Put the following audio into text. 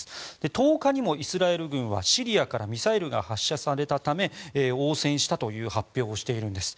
１０日にもイスラエル軍はシリアからミサイルが発射されたため応戦したという発表をしているんです。